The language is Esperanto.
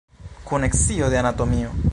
Kun scio de anatomio.